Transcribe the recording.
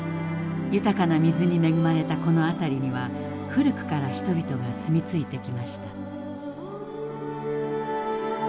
豊かな水に恵まれたこの辺りには古くから人々が住み着いてきました。